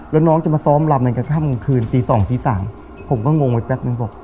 แล้วน้องจะมาซ้อมลำกันข้ามกลางคืนตีสองตีสามผมก็งงไว้แป๊บนึงบอก